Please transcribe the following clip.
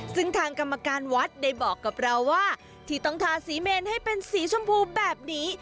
ซึ่งทางกรรมการวัดได้บอกกับเราว่าที่ต้องทาสีเมนให้เป็นสีชมพูแบบนี้